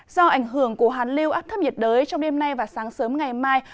do ảnh hưởng của hàn liêu áp thấp nhiệt đới trong đêm nay và sáng sớm ngày mai